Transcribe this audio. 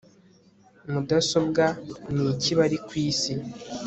Mudasobwa Niki bari kwisi